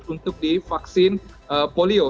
untuk divaksin polio